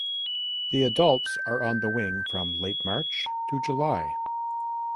The adults are on the wing from late March to July.